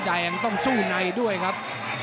ยังต้องสู้ในด้วยครับ